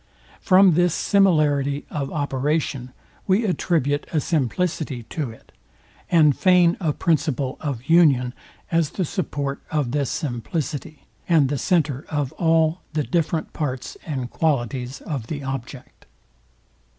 From this similarity of operation we attribute a simplicity to it, and feign a principle of union as the support of this simplicity, and the center of all the different parts and qualities of the object.